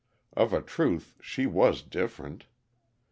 Of a truth, she was different!